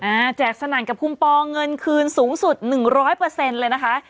อ่าแจกสนันกับคุมปองเงินคืนสูงสุด๑๐๐เลยนะคะ